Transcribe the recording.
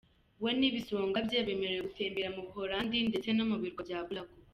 We, n'ibisonga bye bemerewe gutemberera mu Buholandi ndetse no mu birwa bya Bulago .